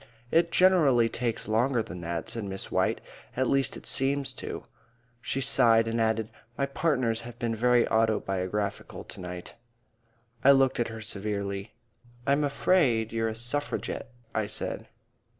"It generally takes longer than that," said Miss White. "At least it seems to." She sighed and added, "My partners have been very autobiographical to night." I looked at her severely. "I'm afraid you're a Suffragette," I said.